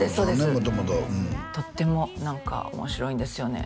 元々とっても何か面白いんですよね